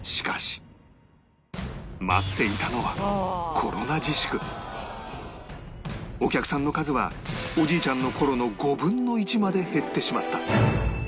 待っていたのはお客さんの数はおじいちゃんの頃の５分の１まで減ってしまった